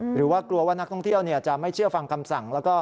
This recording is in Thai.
หรือว่ากลัวว่านักท่องเที่ยวจะไม่เชื่อฟังคำสั่งแล้วก็